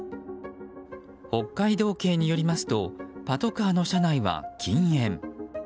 北海道警によりますとパトカーの車内は禁煙。